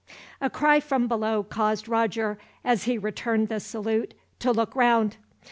A cry from below caused Roger, as he returned the salute, to look round.